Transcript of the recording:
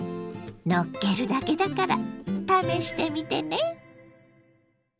のっけるだけだから試してみてね。